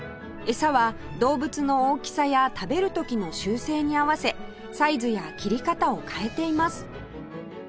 餌は動物の大きさや食べる時の習性に合わせサイズや切り方を変えています